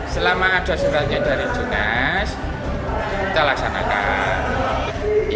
selama ada suratnya dari dinas kita laksanakan